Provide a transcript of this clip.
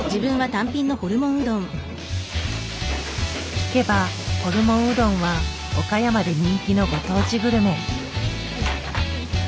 聞けばホルモンうどんは岡山で人気のご当地グルメ。